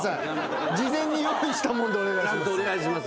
事前に用意したものでお願いします。